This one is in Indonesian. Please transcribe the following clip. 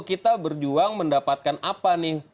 kita berjuang mendapatkan apa nih